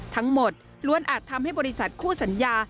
ทั้งหมดล้วนอาจทำให้บริษัทคู่สัญญา